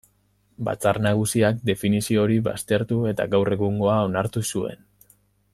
Batzar Nagusiak definizio hori baztertu eta gaur egungoa onartu zuen.